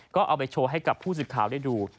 ก็เอาไปโชว์ให้กับผู้สื่อข่าวได้ดู